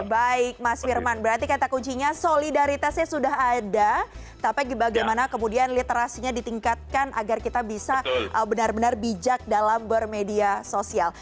baik mas firman berarti kata kuncinya solidaritasnya sudah ada tapi bagaimana kemudian literasinya ditingkatkan agar kita bisa benar benar bijak dalam bermedia sosial